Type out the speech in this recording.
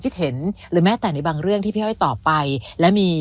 คิดเห็นหรือแม้แต่ในบางเรื่องที่พี่อ้อยตอบไปและมี